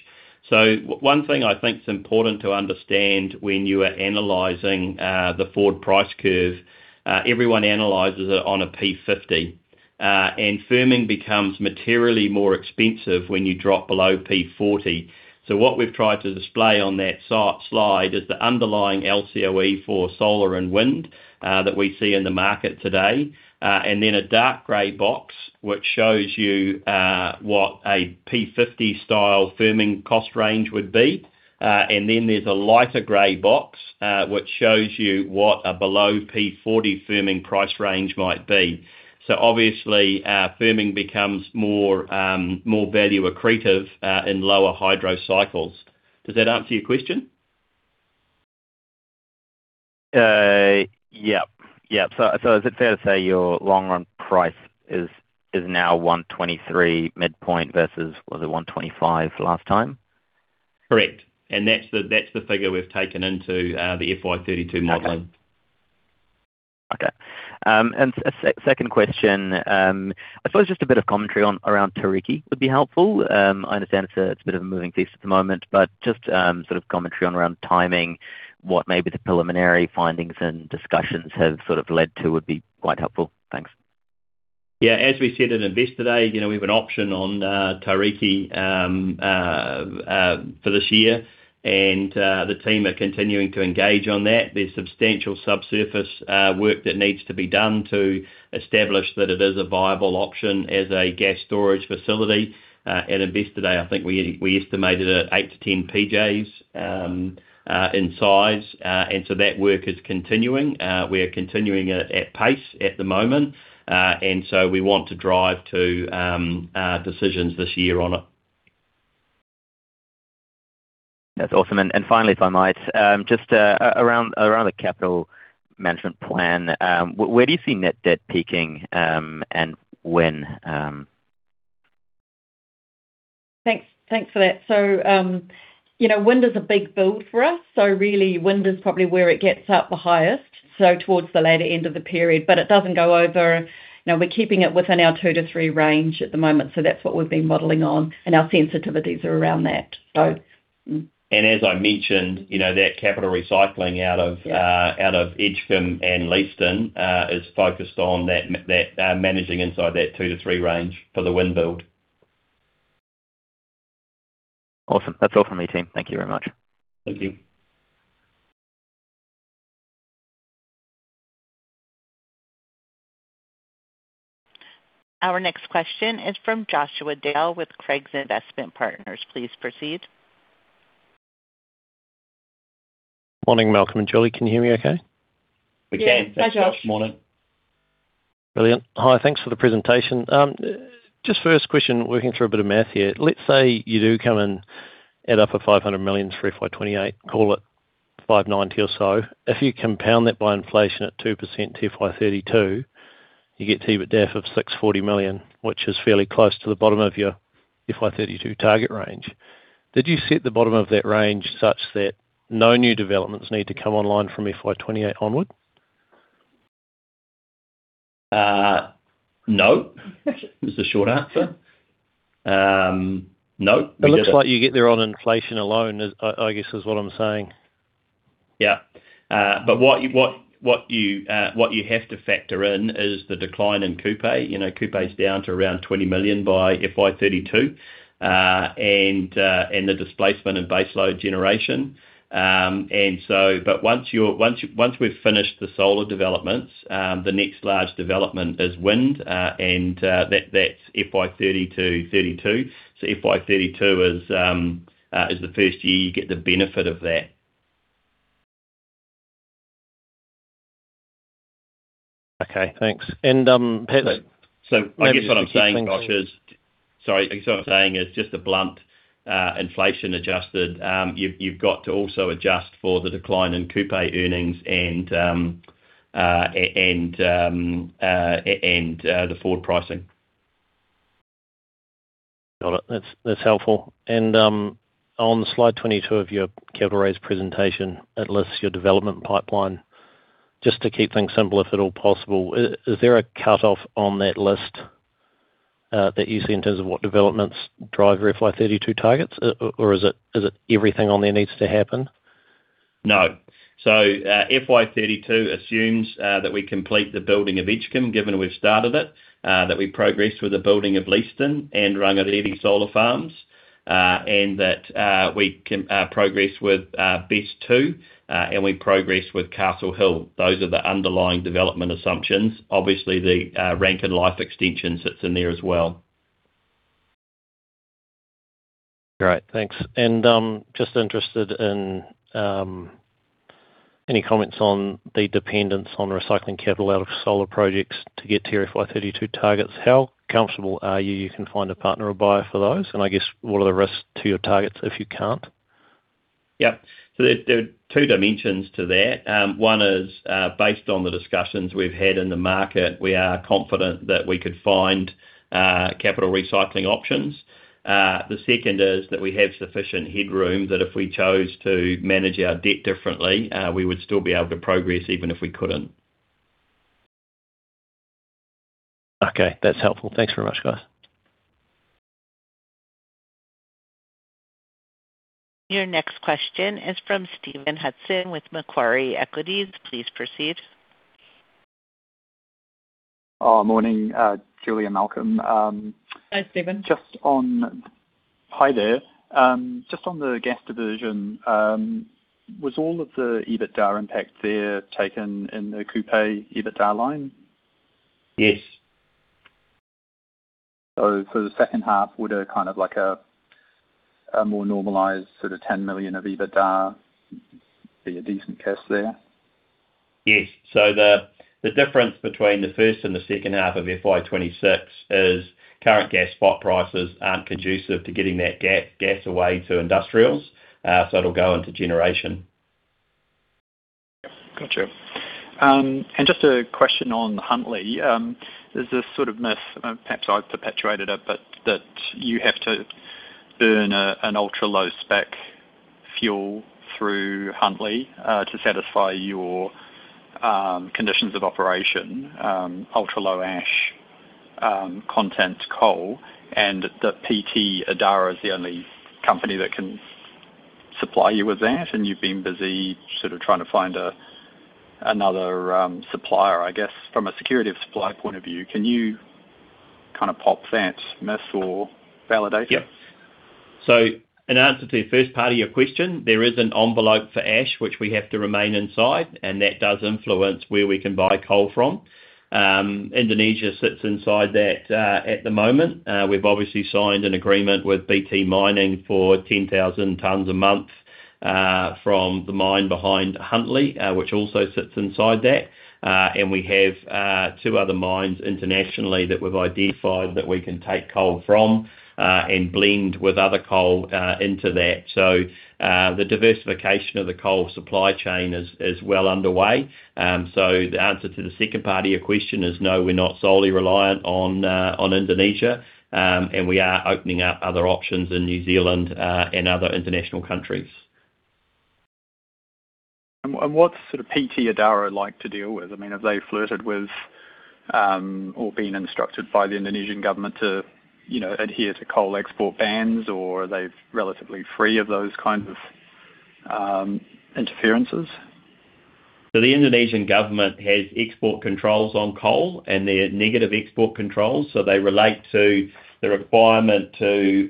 One thing I think is important to understand when you are analyzing the forward price curve, everyone analyzes it on a P50. Firming becomes materially more expensive when you drop below P40. What we've tried to display on that slide is the underlying LCOE for Solar and wind that we see in the market today. Then a dark gray box, which shows you what a P50-style firming cost range would be. Then there's a lighter gray box, which shows you what a below P40 firming price range might be. Obviously, firming becomes more, more value accretive, in lower Hydro Cycles. Does that answer your question? Yep. Yep. So, is it fair to say your long-run price is, is now 123 midpoint versus, was it 125 last time? Correct. That's the, that's the figure we've taken into the FY 2032 modeling. Okay. Okay. And a second question, I suppose just a bit of commentary on around Tariki would be helpful. I understand it's a bit of a moving piece at the moment, but just sort of commentary on around timing, what maybe the preliminary findings and discussions have sort of led to would be quite helpful. Thanks. Yeah, as we said in Investor Day, you know, we have an option on Tariki for this year, and the team are continuing to engage on that. There's substantial subsurface work that needs to be done to establish that it is a viable option as a gas storage facility. At Investor Day, I think we, we estimated it at 8-10 PJs in size. So that work is continuing. We are continuing it at pace at the moment, so we want to drive to decisions this year on it. That's awesome. Finally, if I might, just around, around the capital management plan, where do you see net debt peaking, and when? Thanks, thanks for that. You know, wind is a big build for us, so really, wind is probably where it gets up the highest, so towards the latter end of the period. It doesn't go over... You know, we're keeping it within our two to three range at the moment, so that's what we've been modeling on, and our sensitivities are around that. As I mentioned, you know, that capital recycling out of... Yeah Out of Edgecumbe and Leeston, is focused on that that, managing inside that two to three range for the wind build. Awesome. That's all from me, team. Thank you very much. Thank you. Our next question is from Joshua Dale with Craigs Investment Partners. Please proceed. Morning, Malcolm and Julie, can you hear me okay? We can. Yeah. Hi, Josh. Morning. Brilliant. Hi, thanks for the presentation. Just first question, working through a bit of math here. Let's say you do come and add up 500 million for FY 2028, call it, 590 or so, if you compound that by inflation at 2% to FY 2032, you get EBITDAF of 640 million, which is fairly close to the bottom of your FY 2032 target range. Did you set the bottom of that range such that no new developments need to come online from FY 2028 onward? no, is the short answer. no, we did. It looks like you get there on inflation alone, is, I, I guess, is what I'm saying. Yeah. what you have to factor in is the decline in Kupe. You know, Kupe's down to around 20 million by FY 2032, and the displacement in base load generation. once you're, once, once we've finished the solar developments, the next large development is wind, and that, that's FY 2032. FY 2032 is the first year you get the benefit of that. Okay, thanks Malcolm. I guess what I'm saying, Josh, is. Sorry, I guess what I'm saying is just a blunt, inflation-adjusted, you've, you've got to also adjust for the decline in Kupe earnings and the forward pricing. Got it. That's, that's helpful. On slide 22 of your presentation, it lists your development pipeline. Just to keep things simple, if at all possible, is there a cutoff on that list that you see in terms of what developments drive your FY 2032 targets, or is it, is it everything on there needs to happen? No. FY 2032 assumes that we complete the building of Edgecumbe, given we've started it, that we progress with the building of Leeston and Rangiriri Solar Farms, and that we progress with BESS 2, and we progress with Castle Hill. Those are the underlying development assumptions. Obviously, the Rankine Life Extension sits in there as well. Great, thanks. Just interested in, any comments on the dependence on recycling capital out of solar projects to get to your FY 2032 targets. How comfortable are you you can find a partner or buyer for those? I guess, what are the risks to your targets if you can't? Yeah. There, there are two dimensions to that. One is, based on the discussions we've had in the market, we are confident that we could find capital recycling options. The second is that we have sufficient headroom, that if we chose to manage our debt differently, we would still be able to progress even if we couldn't. Okay. That's helpful. Thanks very much, guys. Your next question is from Stephen Hudson with Macquarie Equities. Please proceed. Morning, Julie and Malcolm. Hi, Stephen. Hi there. Just on the gas division, was all of the EBITDA impact there taken in the Kupe EBITDA line? Yes. For the second half, would a kind of like a more normalized sort of 10 million of EBITDA be a decent guess there? Yes. The difference between the first and the second half of FY 2026 is current gas spot prices aren't conducive to getting that gas away to Industrials, so it'll go into generation. Gotcha. Just a question on Huntly. There's this sort of myth, perhaps I've perpetuated it, but that you have to burn a, an ultra-low spec fuel through Huntly, to satisfy your conditions of operation, ultra-low ash, content coal, and that PT Adaro is the only company that can supply you with that, and you've been busy sort of trying to find another supplier. I guess from a security of supply point of view, can you kind of pop that myth or validate it? Yeah. In answer to the first part of your question, there is an envelope for ash, which we have to remain inside, and that does influence where we can buy coal from. Indonesia sits inside that at the moment. We've obviously signed an agreement with BT Mining for 10,000 tons a month from the mine behind Huntly, which also sits inside that. We have two other mines internationally that we've identified that we can take coal from and blend with other coal into that. The diversification of the coal supply chain is well underway. The answer to the second part of your question is no, we're not solely reliant on Indonesia, and we are opening up other options in New Zealand and other international countries. What's sort of PT Adaro like to deal with? I mean, have they flirted with, or been instructed by the Indonesian government to, you know, adhere to coal export bans, or are they relatively free of those kinds of interferences? The Indonesian government has export controls on coal, and they're negative export controls, so they relate to the requirement to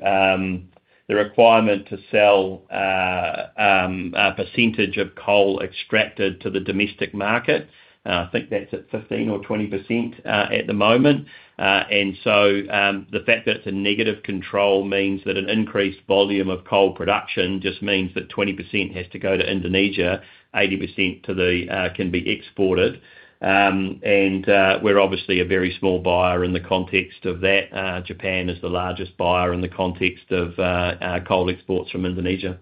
the requirement to sell a percentage of coal extracted to the domestic market. I think that's at 15% or 20% at the moment. The fact that it's a negative control means that an increased volume of coal production just means that 20% has to go to Indonesia, 80% to the can be exported. We're obviously a very small buyer in the context of that. Japan is the largest buyer in the context of coal exports from Indonesia.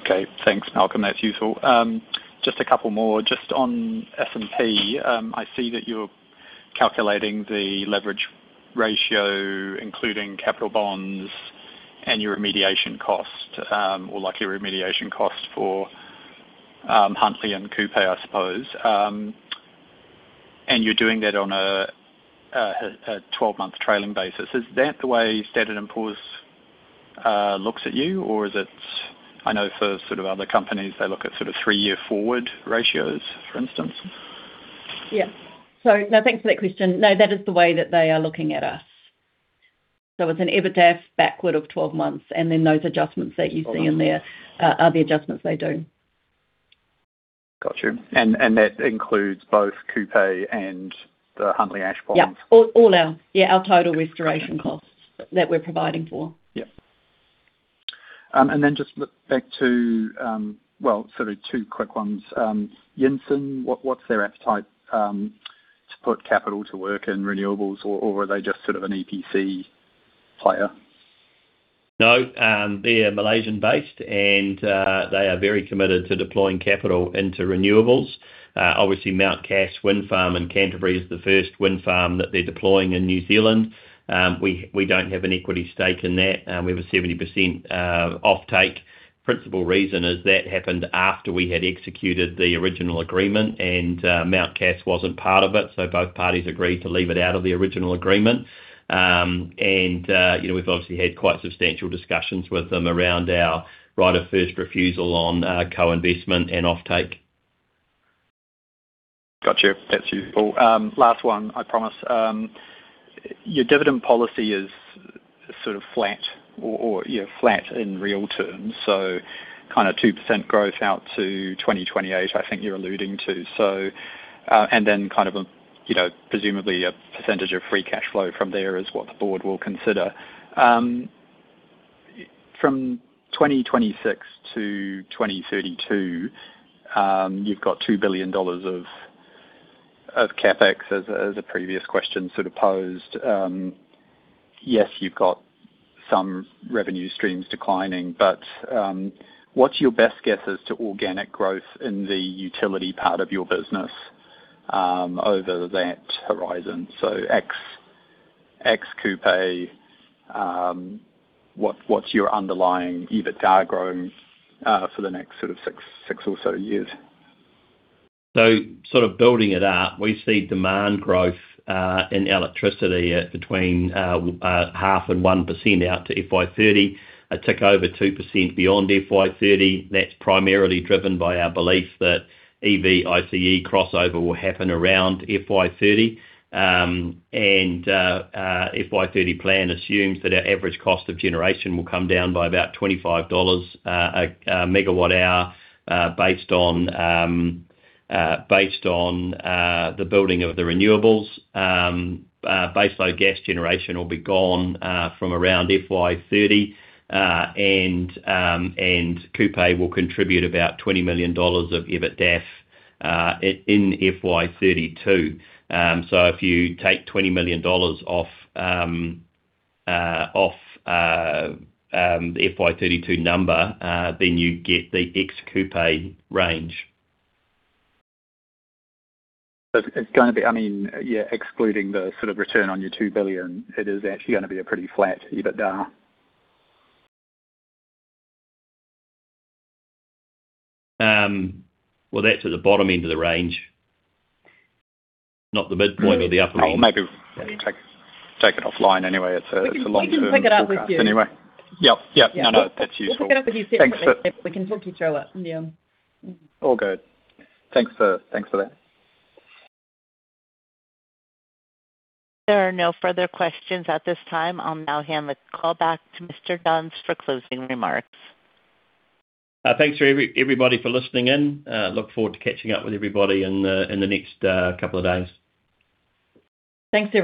Okay, thanks, Malcolm. That's useful. Just a couple more, just on S&P, I see that you're calculating the leverage ratio, including capital bonds and your remediation cost, or likely remediation cost for Huntly and Kupe, I suppose. And you're doing that on a 12-month trailing basis. Is that the way Standard & Poor's looks at you, or is it? I know for sort of other companies, they look at sort of three-year forward ratios, for instance? Yeah. No, thanks for that question. No, that is the way that they are looking at us. It's an EBITDAF backward of 12 months, and then those adjustments that you see in there are the adjustments they do. Got you. That includes both Kupe and the Huntly Capital Bonds? Yeah. Yeah, our total restoration costs that we're providing for. Yep. Then just back to, well, sort of two quick ones. Yinson, what, what's their appetite to put capital to work in renewables, or, or are they just sort of an EPC player? No, they're Malaysian-based, and they are very committed to deploying capital into renewables. Obviously, Mount Cass Wind Farm in Canterbury is the first wind farm that they're deploying in New Zealand. We, we don't have an equity stake in that. We have a 70% offtake. Principal reason is that happened after we had executed the original agreement, and Mount Cass wasn't part of it, so both parties agreed to leave it out of the original agreement. You know, we've obviously had quite substantial discussions with them around our right of first refusal on Co-Investment and offtake. Gotcha. That's useful. Last one, I promise. Your dividend policy is sort of flat or, or, you know, flat in real terms, so kind of 2% growth out to 2028, I think you're alluding to. And then kind of a, you know, presumably a percentage of free cash flow from there is what the board will consider. From 2026 to 2032, you've got 2 billion dollars of, of CapEx, as, as a previous question sort of posed. Yes, you've got some revenue streams declining, but, what's your best guess as to organic growth in the utility part of your business, over that horizon? Ex, ex Kupe, what, what's your underlying EBITDA growth, for the next sort of six, six or so years? Sort of building it up, we see demand growth in electricity at between 0.5% and 1% out to FY 2030. A tick over 2% beyond FY 2030. That's primarily driven by our belief that EV ICE crossover will happen around FY 2030. FY 2030 plan assumes that our average cost of generation will come down by about 25 dollars a MWh based on the building of the renewables. Base load gas generation will be gone from around FY 2030, and Kupe will contribute about 20 million dollars of EBITDAF in FY 2032. If you take 20 million dollars off the FY 2032 number, then you get the ex Kupe range. It's gonna be, I mean, yeah, excluding the sort of return on your 2 billion, it is actually gonna be a pretty flat EBITDA. Well, that's at the bottom end of the range, not the midpoint or the upper one. Maybe take, take it offline anyway. It's a, it's a long term. We can pick it up with you. Anyway. Yep, yep. No, no, that's useful. We'll pick it up with you separately. Thanks for- We can talk each other up, yeah. Mm-hmm. All good. Thanks for, thanks for that. There are no further questions at this time. I'll now hand the call back to Mr. Johns for closing remarks. Thanks to every- everybody for listening in. Look forward to catching up with everybody in the, in the next, couple of days. Thanks, everyone.